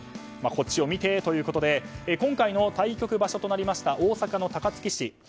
こっちを見てということで今回の対局場所となりました大阪の高槻市。